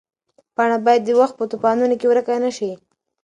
پاڼه باید د وخت په توپانونو کې ورکه نه شي.